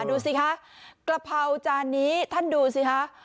ดูสิคะกะเพราจานนี้ท่านดูสิคะ